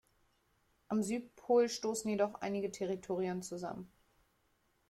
Am Südpol stoßen jedoch einige Territorien zusammen.